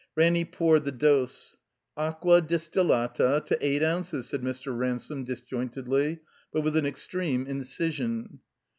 Ranny poured the dose. "Ac acqua distillata — ^to eight ounces," said Mr. Ransome, disjointedly, but with an extreme incision.